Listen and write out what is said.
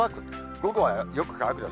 午後はよく乾くです。